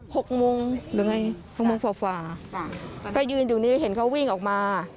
หกโมงหรือไงหกโมงฝ่าฝ่าก็ยืนอยู่นี่เห็นเขาวิ่งออกมา